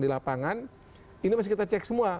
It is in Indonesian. di lapangan ini masih kita cek semua